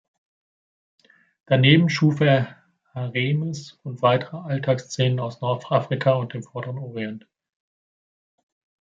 Daneben schuf er Harems- und weitere Alltagsszenen aus Nordafrika und dem Vorderen Orient.